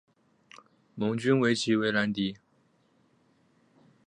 盟军对其为兰迪。